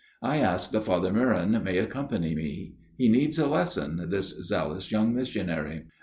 I ask that Father Meuron may accompany me. He needs a lesson, this zealous young missionary.'